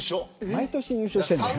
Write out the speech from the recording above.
毎年優勝してんだよ。